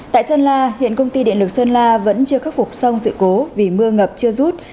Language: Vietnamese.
tại sơn la hiện công ty điện lực sơn la vẫn chưa khắc phục xong sự cố vì mưa ngập chưa rút